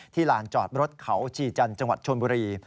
ลานจอดรถเขาชีจันทร์จังหวัดชนบุรี